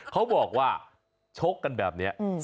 เขาบอกว่าชกกันแบบนี้